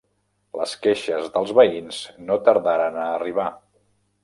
Les queixes dels veïns no tardaren a arribar.